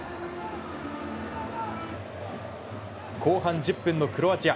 後半１０分のクロアチア。